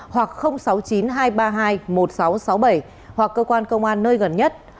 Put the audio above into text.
hoặc sáu mươi chín hai trăm ba mươi hai một nghìn sáu trăm sáu mươi bảy hoặc cơ quan công an nơi gần nhất